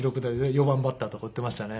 ４番バッターとか打っていましたね。